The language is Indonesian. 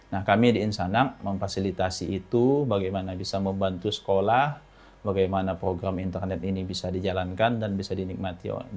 nah kami di insanak memfasilitasi itu bagaimana bisa membantu sekolah bagaimana program internet ini bisa dijalankan dan bisa dinikmati